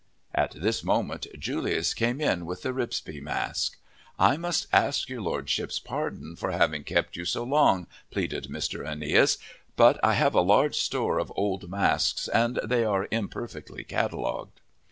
At this moment Julius came in with the Ripsby mask. "I must ask your Lordship's pardon, for having kept you so long," pleaded Mr. Aeneas. "But I have a large store of old masks and they are imperfectly catalogued."